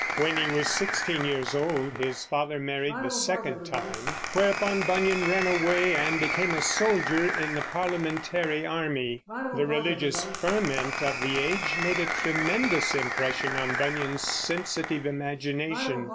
When he was sixteen years old his father married the second time, whereupon Bunyan ran away and became a soldier in the Parliamentary army. The religious ferment of the age made a tremendous impression on Bunyan's sensitive imagination.